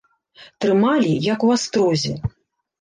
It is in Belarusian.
Трымалі, як у астрозе.